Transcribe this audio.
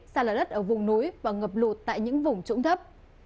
xa lở đất ở vùng núi và ngập lụt tại những vùng trũng thấp